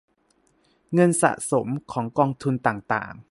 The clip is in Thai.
เงินสะสมของกองทุนต่างต่าง